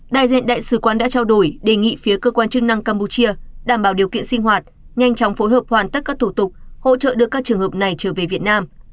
đại diện đại sứ quán đã trao đổi đề nghị phía cơ quan chức năng campuchia đảm bảo điều kiện sinh hoạt nhanh chóng phối hợp hoàn tất các thủ tục hỗ trợ đưa các trường hợp này trở về việt nam